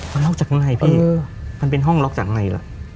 มันล็อกจากข้างในพี่มันเป็นห้องล็อกจากในล่ะ